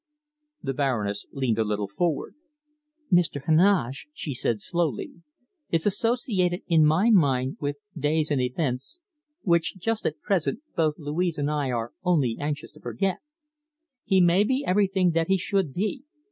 The Baroness leaned a little forward. "Mr. Heneage," she said slowly, "is associated in my mind with days and events which, just at present, both Louise and I are only anxious to forget. He may be everything that he should be.